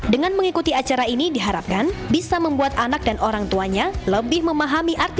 dengan mengikuti acara ini diharapkan bisa membuat anak dan orang tuanya lebih memahami arti